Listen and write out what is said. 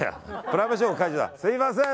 すみません。